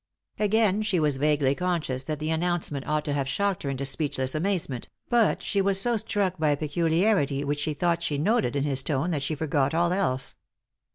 Again she was vaguely conscious that the announcement ought to have shocked her into speechless amazement, but she was so struck by a peculiarity which she thought she noted in his tone that she forgot all else.